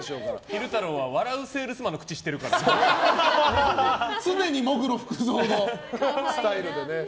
昼太郎は「笑ゥせぇるすまん」の常に喪黒福造のスタイルでね。